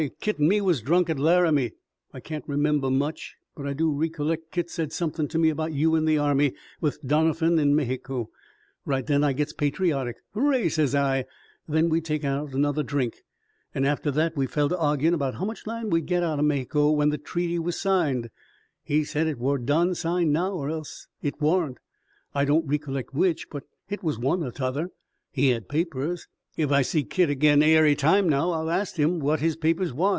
Kit an' me was drunk at Laramie. I kain't remember much. But I do ree colleck Kit said something to me about you in the Army, with Donerphan in Mayheeco. Right then I gits patriotic. 'Hooray!' says I. Then we taken another drink. After that we fell to arguin' how much land we'd git out o' Mayheeco when the treaty was signed. He said hit war done signed now, or else hit warn't. I don't ree colleck which, but hit was one or t'other. He had papers. Ef I see Kit agin ary time now I'll ast him what his papers was.